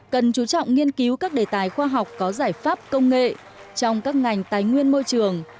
cần chú trọng nghiên cứu các đề tài khoa học có giải pháp công nghệ trong các ngành tài nguyên môi trường